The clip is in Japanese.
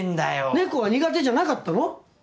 猫は苦手じゃなかったの？